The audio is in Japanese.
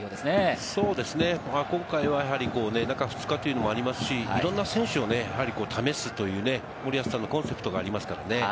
今回は中２日というのもありますし、いろんな選手を試すという森保さんのコンセプトがありますからね。